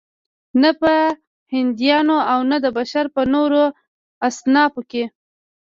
نه په هندیانو او نه د بشر په نورو اصنافو کې.